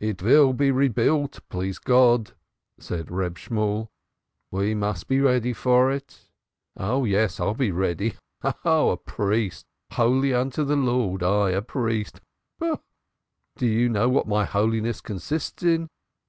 "It will be rebuilt, please God," said Reb Shemuel. "We must be ready for it." "Oh yes, I'll be ready Ha! Ha! Ha! A priest! Holy unto the Lord I a priest! Ha! Ha! Ha! Do you know what my holiness consists in?